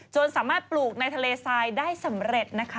สามารถปลูกในทะเลทรายได้สำเร็จนะคะ